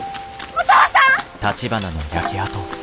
お父さん！